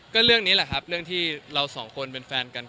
ก็เรื่องนี้แหละครับเรื่องที่เราสองคนเป็นแฟนกัน